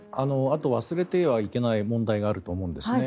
あと忘れてはいけない問題があると思うんですね。